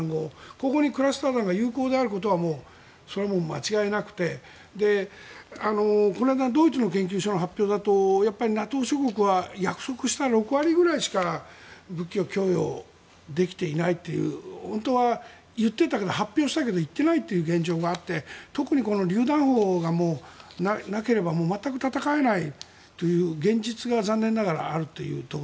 ここにクラスター弾が有効であることはそれは間違いなくてこの間ドイツの研究所の発表だとＮＡＴＯ諸国は約束した６割ぐらいしか武器を供与できていないという本当は言っていたけど発表したけど行っていないという現状があって特に、このりゅう弾砲がなければ全く戦えないという現実が残念ながらあるというね。